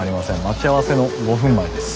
待ち合わせの５分前です。